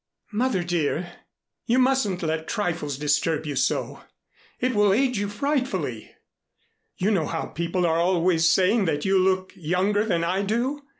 "Mother, dear, you mustn't let trifles disturb you so. It will age you frightfully! You know how people are always saying that you look younger than I do.